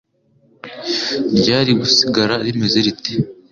ryari gusigara rimeze rite?